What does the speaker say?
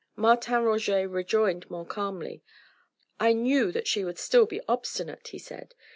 Martin Roget rejoined more calmly: "I knew that she would still be obstinate," he said.